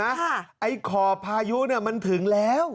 ไอ้ขอบพายุเนี่ยมันถึงแล้ว